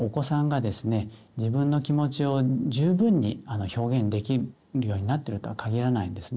自分の気持ちを十分に表現できるようになってるとは限らないんですね。